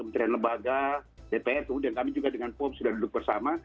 kementerian lembaga dpr kemudian kami juga dengan pom sudah duduk bersama